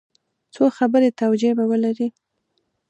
څو خبري توجیې به ولري.